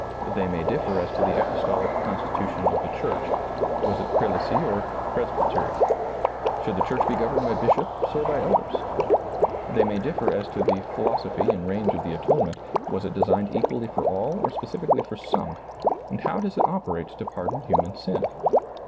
They may differ as to the apostolic constitution of the church — was it prelacy or pres bytery ? Should the church be governed by bishops or by elders ? They may difier as to the philoso phy and range of the atonement — was it designed equally for all or specifically for some, and how does it operate to pardon human sin?